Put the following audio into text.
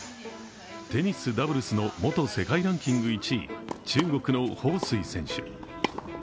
テニスダブルスの元世界ランキング１位、中国の彭帥選手。